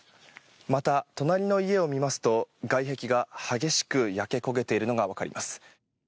また、隣の家を見ますと外壁が激しく焼け焦げているのがわかります。